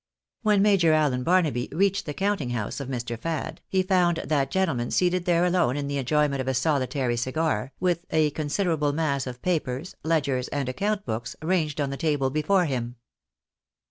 When Major Allen Barnaby reached the counting house of Mr. Fad, he found that gentleman seated there alone in the enjoyment of a sohtary cigar, with a considerable mass of papers, ledgers, and account books, ranged on the table before him.